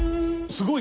すごい。